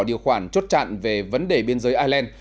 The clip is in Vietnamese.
điều khoản chốt chặn về vấn đề biên giới ireland